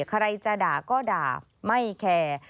ใครจะด่าก็ด่าไม่แคร์